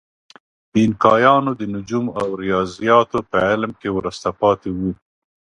اینکایانو د نجوم او ریاضیاتو په علم کې وروسته پاتې وو.